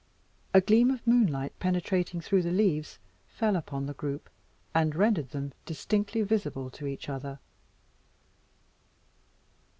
A gleam of moonlight penetrating through the leaves, fell upon the group, and rendered them distinctly visible to each other.